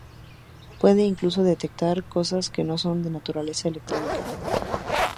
Puede incluso detectar cosas que no son de naturaleza electrónica.